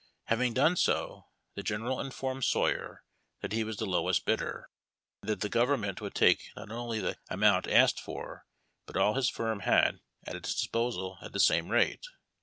Having done so, the General informed Sawyer that he was the lowest bidder, and that the government would take not only the amount asked for but all his firm had at its disposal at the same rate.